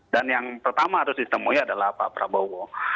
dan yang pertama harus ditemui adalah pak prabowo